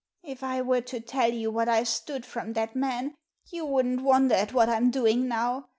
" If I were to tell you what I've stood from that man, you wouldn't wonder at what I'm doing now.